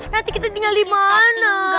nanti kita tinggal di mana